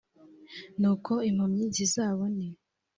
Nuko impumyi zizabone,